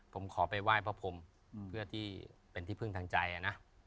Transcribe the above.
ผมขอไปไหว้พระพรมเพื่อที่เป็นที่พึ่งทางใจนะ